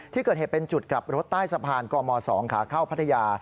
ที่เกิดเหตุเป็นจุดกลับรถใต้สะพานกม๒ขาเข้าพัทยา